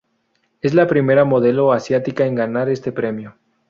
Es la primera modelo asiática en ganar este premio.